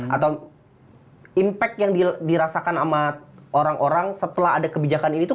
atau impact yang dirasakan sama orang orang setelah ada kebijakan ini tuh